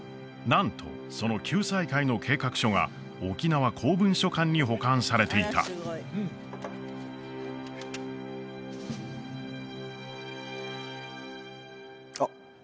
なんとその救済会の計画書が沖縄公文書館に保管されていたあっ